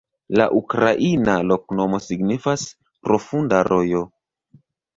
La ukraina loknomo signifas: profunda rojo.